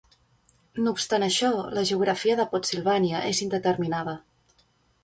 No obstant això, la geografia de Pottsylvania és indeterminada.